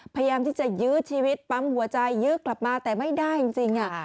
พยายามที่จะยื้อชีวิตปั๊มหัวใจยื้อกลับมาแต่ไม่ได้จริง